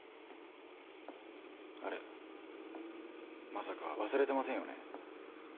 あれまさか忘れてませんよね。